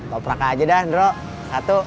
toprak aja dah ndro satu